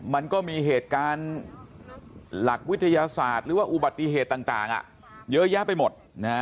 มันก็มีเหตุการณ์หลักวิทยาศาสตร์หรือว่าอุบัติเหตุต่างเยอะแยะไปหมด